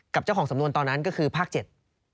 เจ้าของสำนวนตอนนั้นก็คือภาคเจ็ด